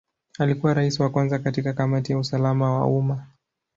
Alikuwa Rais wa kwanza katika Kamati ya usalama wa umma.